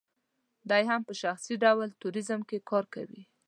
دی هم په شخصي ډول ټوریزم کې کار کوي.